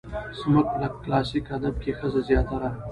زموږ په کلاسيک ادب کې ښځه زياتره